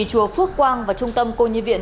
chùa phước quang và trung tâm cô nhi viện